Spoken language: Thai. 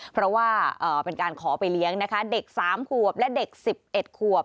เพราะว่าเป็นการขอไปเลี้ยงเด็กสามขวบและเด็กสิบเอ็ดขวบ